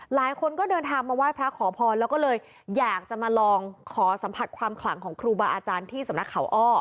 หลายคนก็เดินทางมาไหว้พระขอพรแล้วก็เลยอยากจะมาลองขอสัมผัสความขลังของครูบาอาจารย์ที่สำนักเขาอ้อ